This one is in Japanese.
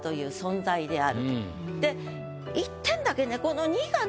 で一点だけね。